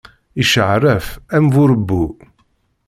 Icceɛṛef, am burebbu.